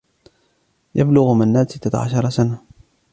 يبلغ منّاد ستة عشر سنة.